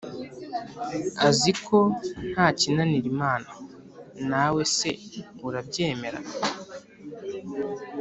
aziko nta kinanira imana. nawe seurabyemera